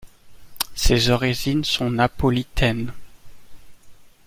Ses origines sont napolitaines.